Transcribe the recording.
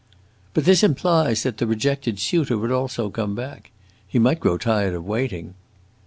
"But this implies that the rejected suitor would also come back. He might grow tired of waiting."